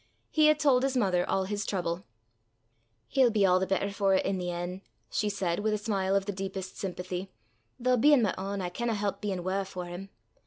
He had told his mother all his trouble. "He'll be a' the better for 't i' the en'," she said, with a smile of the deepest sympathy, "though, bein' my ain, I canna help bein' wae for 'im.